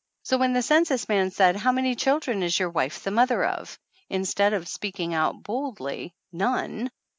So when the census man said, "How many children is your wife the mother of?" in stead of speaking out boldly, "None